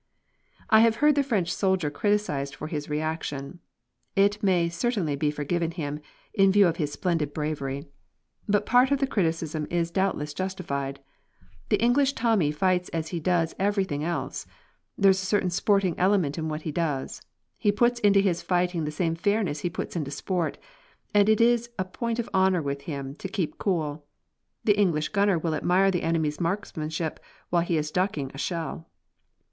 I have heard the French soldier criticised for this reaction. It may certainly be forgiven him, in view of his splendid bravery. But part of the criticism is doubtless justified. The English Tommy fights as he does everything else. There is a certain sporting element in what he does. He puts into his fighting the same fairness he puts into sport, and it is a point of honour with him to keep cool. The English gunner will admire the enemy's marksmanship while he is ducking a shell.